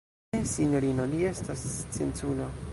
Ne, sinjorino: li estas scienculo.